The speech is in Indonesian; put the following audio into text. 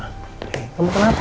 ya allah kamu kenapa